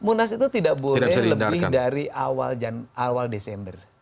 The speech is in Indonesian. munas itu tidak boleh lebih dari awal desember